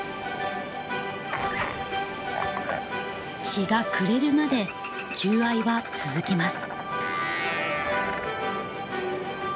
日が暮れるまで求愛は続きます。